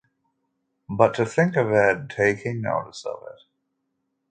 But to think of Ed taking notice of it!